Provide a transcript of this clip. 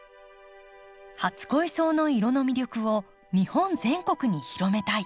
初恋草の色の魅力を日本全国に広めたい。